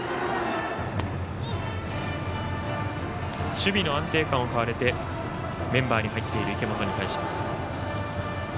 守備の安定感を買われてメンバーに入っている池本に対します。